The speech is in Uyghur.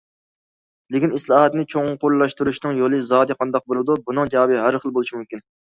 لېكىن ئىسلاھاتنى چوڭقۇرلاشتۇرۇشنىڭ يولى زادى قانداق بولىدۇ؟ بۇنىڭ جاۋابى ھەر خىل بولۇشى مۇمكىن.